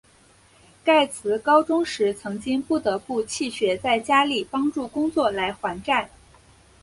盖茨高中时曾经不得不弃学在家里帮助工作来还债。